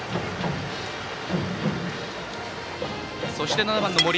そして７番の森。